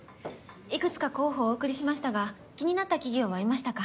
いくつか候補をお送りしましたが気になった企業はありましたか？